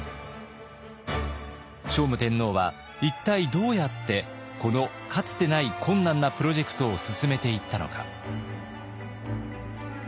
聖武天皇は一体どうやってこのかつてない困難なプロジェクトを進めていったのか。